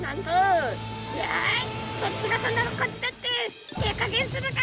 「よしそっちがそんならこっちだって手加減するか」。